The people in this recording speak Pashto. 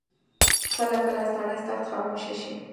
کله کله سړی سخت خاموشه شي.